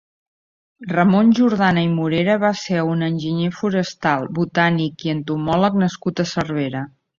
Ramon Jordana i Morera va ser un enginyer forestal, botànic i entomòleg nascut a Cervera.